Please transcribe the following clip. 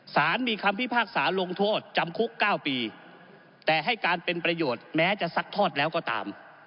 สารมีคำพิพากษาลงโทษจำคุก๙ปีแต่ให้การเป็นประโยชน์แม้จะซัดทอดแล้วก็ตาม